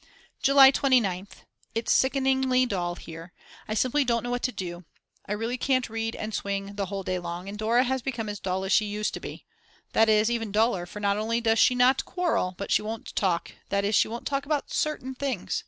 July 29th. It's sickeningly dull here, I simply don't know what to do; I really can't read and swing the whole day long, and Dora has become as dull as she used to be; that is, even duller, for not only does she not quarrel, but she won't talk, that is she won't talk about certain things.